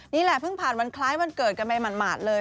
นี่แหละเพิ่งผ่านวันคล้ายวันเกิดกันไปหมาดเลย